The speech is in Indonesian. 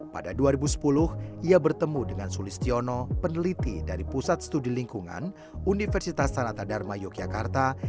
pada dua ribu sepuluh ia bertemu dengan sulistiono peneliti dari pusat studi lingkungan universitas sanata dharma yogyakarta